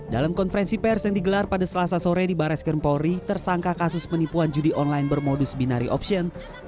dalam konferensi pers yang digelar pada selasa sore di bareskrim polri tersangka kasus penipuan judi online bermodus binari option